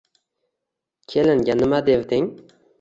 Kelinga nima devding